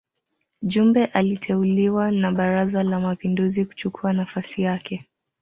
Jumbe aliteuliwa na Baraza la Mapinduzi kuchukua nafasi yake